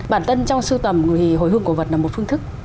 bản thân trong sưu tầm thì hồi hương cổ vật là một phương thức